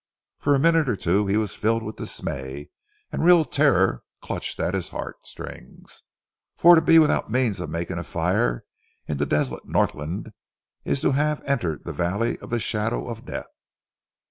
For a minute or two he was filled with dismay, and real terror clutched at his heart strings, for to be without means of making a fire in the desolate Northland, is to have entered the valley of the shadow of death.